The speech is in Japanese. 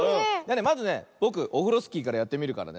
まずねぼくオフロスキーからやってみるからね。